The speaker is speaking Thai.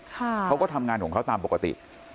เขาก็ทำงานของเขาตามปกติ